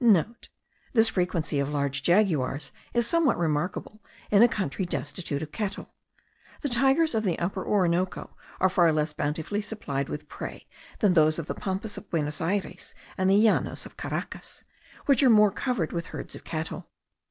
*(* This frequency of large jaguars is somewhat remarkable in a country destitute of cattle. The tigers of the Upper Orinoco are far less bountifully supplied with prey than those of the Pampas of Buenos Ayres and the Llanos of Caracas, which are covered with herds of cattle.